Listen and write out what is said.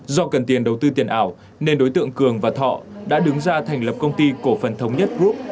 do cần tiền đầu tư tiền ảo nên đối tượng cường và thọ đã đứng ra thành lập công ty cổ phần thống nhất group